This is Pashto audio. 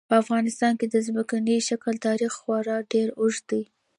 په افغانستان کې د ځمکني شکل تاریخ خورا ډېر اوږد دی.